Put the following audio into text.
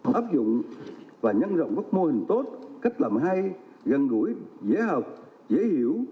họ áp dụng và nhăn rộng các mô hình tốt cách làm hay gần gũi dễ học dễ hiểu